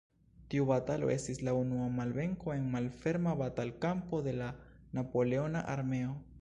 Tiu batalo estis la unua malvenko en malferma batalkampo de la Napoleona armeo.